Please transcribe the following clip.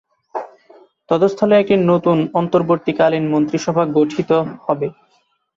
তদস্থলে একটি নতুন অন্তবর্তীকালীন মন্ত্রিসভা গঠিত হবে।